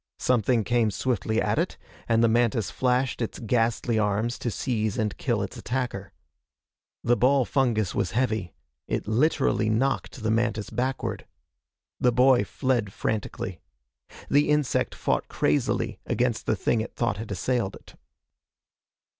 Something came swiftly at it, and the mantis flashed its ghastly arms to seize and kill its attacker. The ball fungus was heavy. It literally knocked the mantis backward. The boy fled frantically. The insect fought crazily against the thing it thought had assailed it.